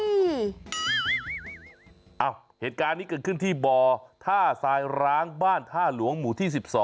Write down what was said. อ้าวเหตุการณ์นี้เกิดขึ้นแรงที่บธรร้างบธรลวงหมู่ที่๑๒